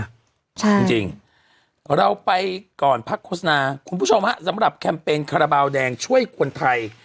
ใช่จริงเราไปก่อนพักโฆษณาคุณผู้ชมฮะสำหรับแคมเปญคาราบาลแดงช่วยคนไทย